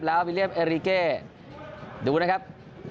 แล้ววิเลียมเอริเกดูนะครับ